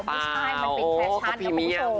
ไม่ใช่มันเป็นแฟชั่น